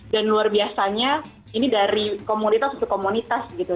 dan luar biasanya ini dari komunitas komunitas gitu